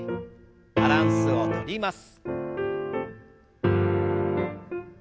バランスをとります。